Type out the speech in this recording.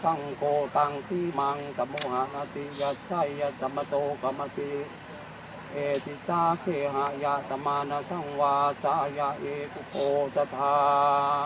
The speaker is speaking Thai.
สังโฆตังตีมังสัมมหาธิยัชไชยัสสัมโตกะมะทิเอทิสทะเทหะยะสัมมานสังวาสะยะเอพุโฆจัทธา